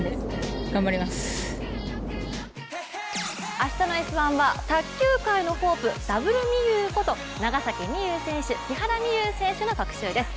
明日の「Ｓ☆１」は卓球界のホープダブルみゆうこと長崎美柚選手、木原美悠選手の特集です。